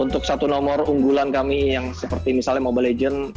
untuk satu nomor unggulan kami yang seperti misalnya mobile legends